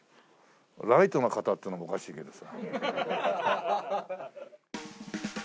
ライトな方っていうのもおかしいけどさ。